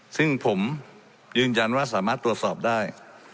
ซึ่งผมยืนยันว่าสามารถตรวจสอบได้